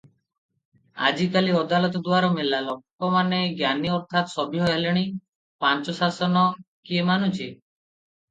ଆଜିକାଲି ଅଦାଲତ ଦୁଆର ମେଲା, ଲୋକମାନେ ଜ୍ଞାନୀ ଅର୍ଥାତ୍ ସଭ୍ୟ ହେଲେଣି, ପାଞ୍ଚଶାସନ କିଏ ମାନୁଛି?